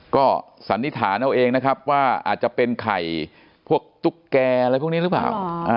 ก็สันนิษฐานเอาเองนะครับว่าอาจจะเป็นไข่พวกตุ๊กแกอะไรพวกนี้หรือเปล่า